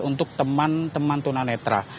untuk teman teman tunanetra